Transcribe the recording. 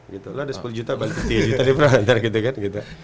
lo ada sepuluh juta balik ke tiga juta di perantar gitu kan